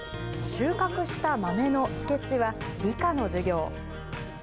収穫した豆のスケッチは理科の授業。